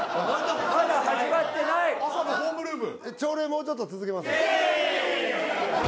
・朝のホームルーム